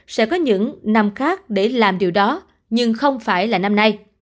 sẽ có những năm khác để làm điều đó nhưng không phải là năm nay